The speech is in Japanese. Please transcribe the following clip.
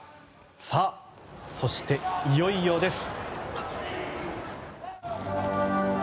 そして、いよいよです。